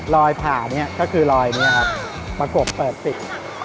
ผ่านี้ก็คือรอยนี้ครับประกบเปิดปิด